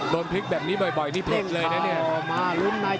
โดนพลิกแบบนี้บ่อยนี่เพลินเลยนะเนี่ย